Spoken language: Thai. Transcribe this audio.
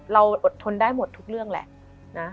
อดทนได้หมดทุกเรื่องแหละนะ